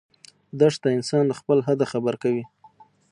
دښته انسان له خپل حده خبر کوي.